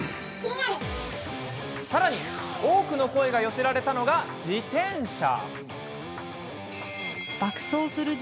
さらに、多くの声が寄せられたのが自転車。